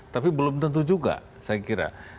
tapi belum tentu juga saya kira